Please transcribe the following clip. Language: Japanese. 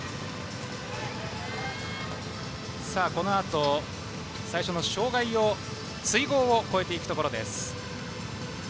このあと最初の障害、水濠を越えていくところです。